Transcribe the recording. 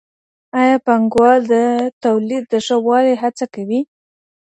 ایا پانګوال د تولید د ښه والي هڅه کوي؟